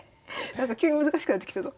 なんか急に難しくなってきたぞ。